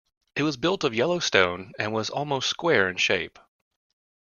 It was built of yellow stone, and was almost square in shape.